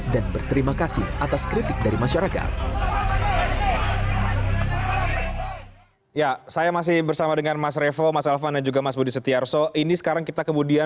dan berterima kasih atas kritik dari masyarakat